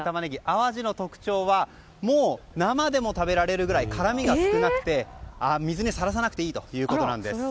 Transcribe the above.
淡路の特徴はもう生でも食べられるくらい辛みが少なくて水にさらさなくていいということなんです。